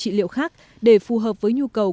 trị liệu khác để phù hợp với nhu cầu